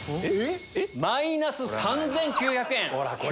マイナス３９００円。